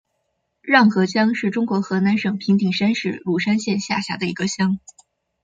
瀼河乡是中国河南省平顶山市鲁山县下辖的一个乡。